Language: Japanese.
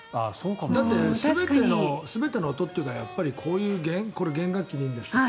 だって、全ての音というかこういうこれは弦楽器でいいんでしたっけ？